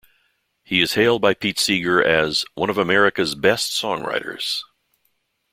He is hailed by Pete Seeger as "one of America's best songwriters".